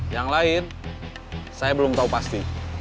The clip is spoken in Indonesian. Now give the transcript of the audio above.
yang lain saya belum tahu pasti